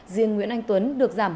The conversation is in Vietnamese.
riêng nguyễn anh tuấn được giảm